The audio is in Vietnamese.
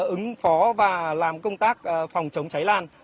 ứng phó và làm công tác phòng chống cháy lan